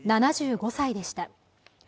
７５歳でした。